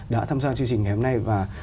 đã tham gia chương trình ngày hôm nay và